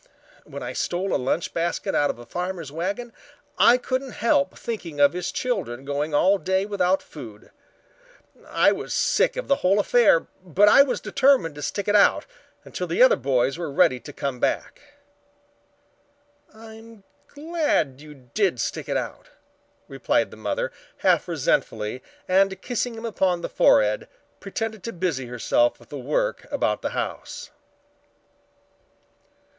When I stole a lunch basket out of a farmer's wagon I couldn't help thinking of his children going all day without food. I was sick of the whole affair, but I was determined to stick it out until the other boys were ready to come back." "I'm glad you did stick it out," replied the mother, half resentfully, and kissing him upon the forehead pretended to busy herself with the work about the house.